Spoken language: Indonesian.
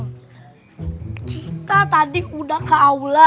kita tadi udah ke aula